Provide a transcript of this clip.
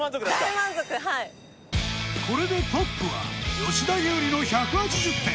これでトップは吉田優利の１８０点。